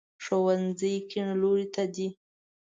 ښوونځی کیڼ لوري ته دی